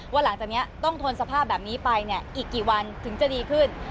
หลังจากนี้ต้องทนสภาพแบบนี้ไปเนี่ยอีกกี่วันถึงจะดีขึ้น